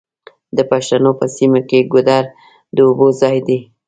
د پښتنو په سیمو کې ګودر د اوبو ځای دی.